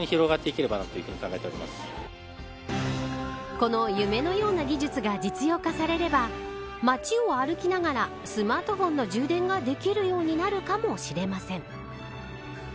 この夢のような技術が実用化されれば街を歩きながらスマートフォンの充電ができるようになるかもしれません。